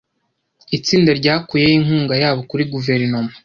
Itsinda ryakuyeho inkunga yabo kuri Guverinoma .